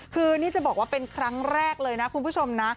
คือนี่จะบอกว่าเป็นครั้งแรกเลยนะคุณผู้ชมนะ